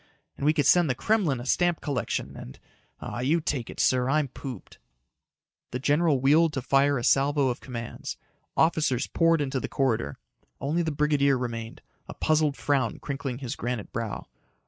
And we could send the Kremlin a stamp collection and.... Aw, you take it, sir. I'm pooped." The general wheeled to fire a salvo of commands. Officers poured into the corridor. Only the brigadier remained, a puzzled frown crinkling his granite brow.